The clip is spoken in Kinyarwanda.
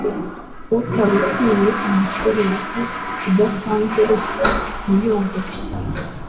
utabikwiye, umucuruzi udatanze ruswa ntiyunguke,